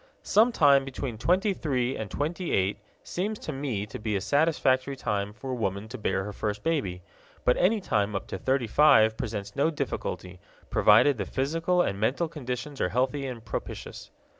Some time between twenty three and twenty eight seems to me to be a satisfactory time for a woman to bear her first baby; but any time up to thirty five presents no difficulty, provided the physical and mental conditions are healthy and propitious.